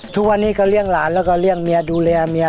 ทุกวันนี้ก็เลี้ยงหลานแล้วก็เลี้ยงเมียดูแลเมีย